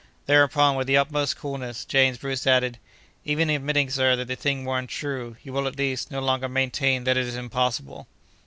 Thereupon, with the utmost coolness, James Bruce added: 'Even admitting, sir, that the thing were untrue, you will, at least, no longer maintain that it is impossible.